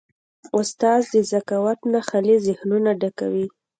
استاد د ذکاوت نه خالي ذهنونه ډکوي.